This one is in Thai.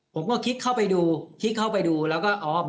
ผมก็คิดเข้าไปดูคลิกเข้าไปดูแล้วก็อ๋อ